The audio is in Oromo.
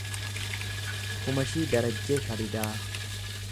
Kumashii Darajjee Sharidaa